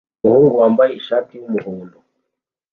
Umuhungu wambaye ishati y'umuhondo